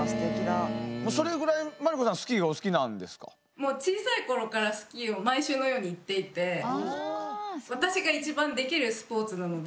もう小さい頃からスキーを毎週のように行っていて私が一番できるスポーツなので。